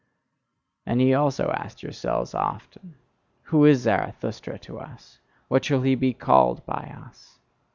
And ye also asked yourselves often: "Who is Zarathustra to us? What shall he be called by us?"